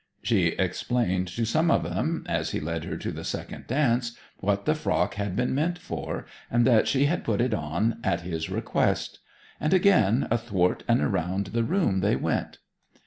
She explained to some of them, as he led her to the second dance, what the frock had been meant for, and that she had put it on at his request. And again athwart and around the room they went.